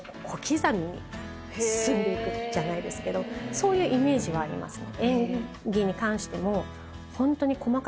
そういうイメージはありますね。